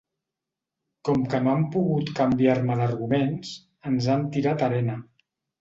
Com que no han pogut canviar-me d’arguments, ens han tirat arena.